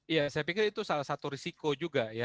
ya saya pikir itu salah satu risiko juga ya